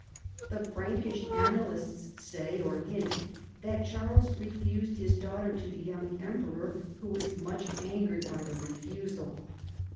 The Frankish annalists say or hint that Charles refused his daughter to the young Emperor, who was much angered by the refusal.